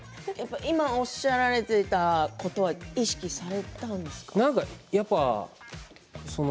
今おっしゃられていたことは意識されていましたか？